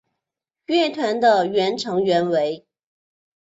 乐团的原成员为。